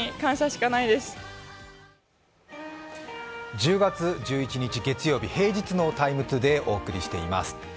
１０月１１日月曜日平日の「ＴＩＭＥ，ＴＯＤＡＹ」お送りしています。